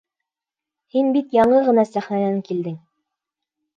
Һин бит яңы ғына сәхнәнән килдең.